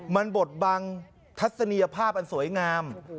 มันบทบังทัศนีภาพอันสวยงามโอ้โห